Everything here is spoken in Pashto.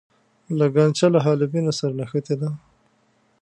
لګنچه له حالبینو سره نښتې ده.